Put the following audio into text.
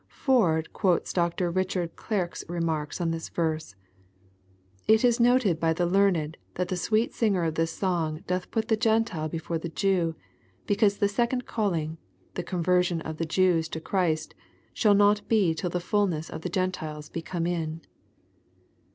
] Ford quotes Dr. Rich ard Gierke's remarks on this verse, " It is noted by the learned that the sweet singer of this song doth put the Gentile before the Jew, because the second calling, the conversion of the Jews tc Christ, shall not be till the fulness of the Gentiles be come in."